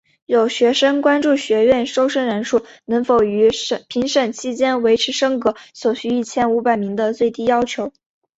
有学生关注学院收生人数能否于评审期间维持升格所需一千五百名的最低要求。